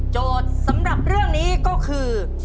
โจทย์สำหรับเรื่องนี้ก็คือ